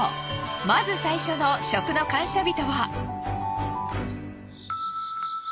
まず最初の食の感謝人は？